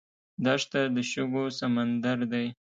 دښته د شګو سمندر دی.